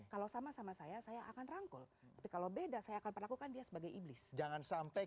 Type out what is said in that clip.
kalau sama sama saya saya akan rangkul tapi kalau beda saya akan perlakukan dia sebagai iblis jangan sampai